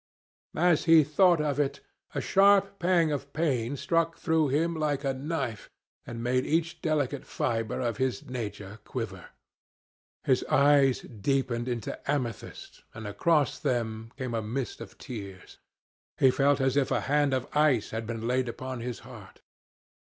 As he thought of it, a sharp pang of pain struck through him like a knife and made each delicate fibre of his nature quiver. His eyes deepened into amethyst, and across them came a mist of tears. He felt as if a hand of ice had been laid upon his heart.